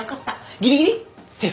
ギリギリ？セーフ？